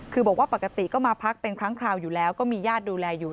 คือบอกว่าปกติก็มาพักเป็นครั้งคราวอยู่แล้วก็มีญาติดูแลอยู่